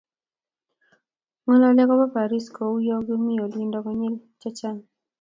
Ng'ololi akobo Paris kou yo kimi olindo konyil chechang.